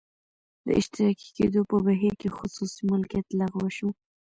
د اشتراکي کېدو په بهیر کې خصوصي مالکیت لغوه شو